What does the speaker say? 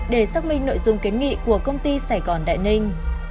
để xác minh nội dung kiến nghị của công ty sài gòn đại ninh